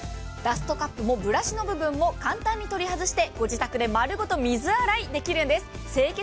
ダストカップもブラシの部分も簡単に取り外してご自宅でまるごと水洗いできるんです。